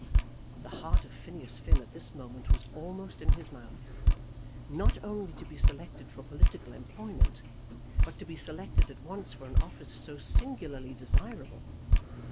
The heart of Phineas Finn at this moment was almost in his mouth. Not only to be selected for political employment, but to be selected at once for an office so singularly desirable!